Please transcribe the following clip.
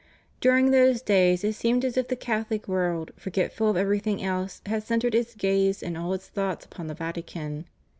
During those days it seemed as if the Catholic worid, forgetful of every thing else, had centred its gaze and all its thoughts upon the Vatican.